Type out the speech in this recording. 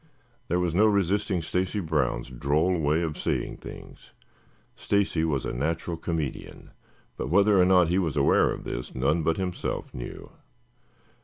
There was no resisting Stacy Brown's droll way of saying things. Stacy was a natural comedian, but whether or not he was aware of this, none but himself knew.